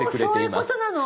おそういうことなの！